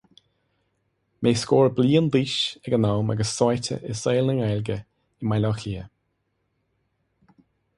Mé scór bliain d'aois ag an am agus sáite i saol na Gaeilge i mBaile Átha Cliath.